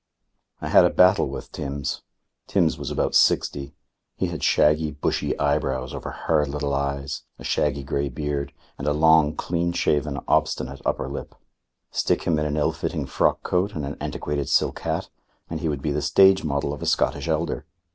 I had a battle with Timbs. Timbs was about sixty. He had shaggy, bushy eyebrows over hard little eyes, a shaggy grey beard, and a long, clean shaven, obstinate upper lip. Stick him in an ill fitting frock coat and an antiquated silk hat, and he would be the stage model of a Scottish Elder.